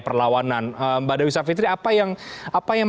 perlawanan mbak dewi savitri apa yang